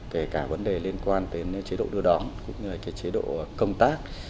kể cả vấn đề liên quan đến chế độ đưa đón cũng như là cái chế độ công tác